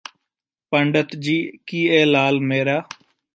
ਪੰਡਤ ਜੀ ਕੀ ਇਹ ਲਾਲ ਮੇਰਾ